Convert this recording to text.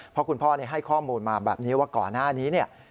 เพราะคุณพ่อให้ข้อมูลมาแบบนี้ว่าก่อนหน้านี้เนี่ย